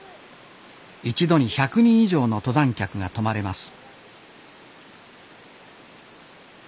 一度に１００人以上の登山客が泊まれます